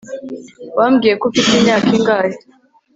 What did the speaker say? wambwiye ko ufite imyaka ingahe!